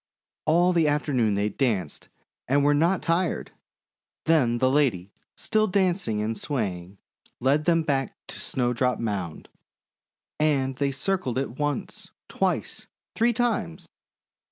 All the after noon they danced and were not tired. Then the lady, still dancing and swaying, led them back to Snowdrop Mound, and they circled it once, twice, three times.